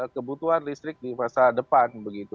kebutuhan listrik di masa depan